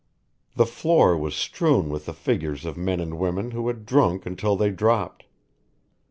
The floor was strewn with the figures of men and women who had drunk until they dropped.